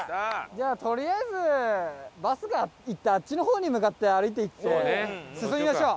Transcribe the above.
じゃあとりあえずバスが行ったあっちの方に向かって歩いていって進みましょう！